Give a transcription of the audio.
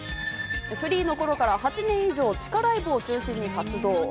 フリーの頃から８年以上、地下ライブを中心に活動。